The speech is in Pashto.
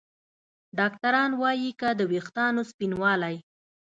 ډاکتران وايي که د ویښتانو سپینوالی